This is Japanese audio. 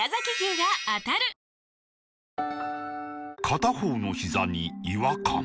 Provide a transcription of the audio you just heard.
片方のひざに違和感